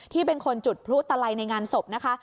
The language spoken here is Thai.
ที่เป็นคนจุดพลุตลัยในงานศพนะคะ